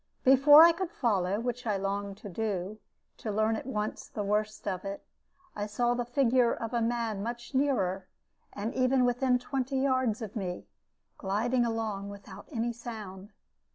Before I could follow, which I longed to do, to learn at once the worst of it, I saw the figure of a man much nearer, and even within twenty yards of me, gliding along without any sound.